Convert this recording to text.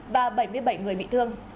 và bảy mươi bảy người bị thương